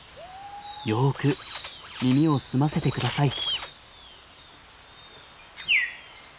よく耳を澄ませてください。